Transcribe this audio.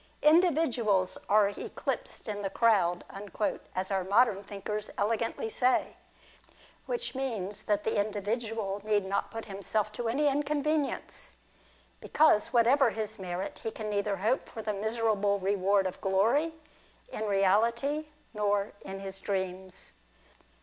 Individuals are eclipsed in the crowd," as our modern thinkers elegantly say ; which means, that the individual need not put himself to any inconvenience, because, whatever his merit, he can neither hope for the miserable reward of glory, in reality, nor in his dreams.